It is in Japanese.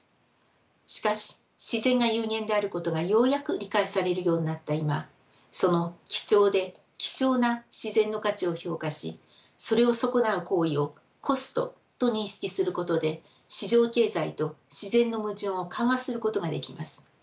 しかし自然が有限であることがようやく理解されるようになった今その貴重で希少な自然の価値を評価しそれを損なう行為をコストと認識することで市場経済と自然の矛盾を緩和することができます。